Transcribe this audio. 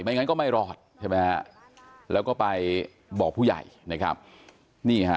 งั้นก็ไม่รอดใช่ไหมฮะแล้วก็ไปบอกผู้ใหญ่นะครับนี่ฮะ